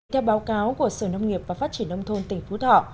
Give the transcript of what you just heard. theo báo cáo của sở nông nghiệp và phát triển nông thôn tỉnh phú thọ